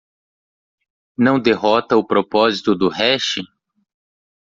Não derrota o propósito do hash?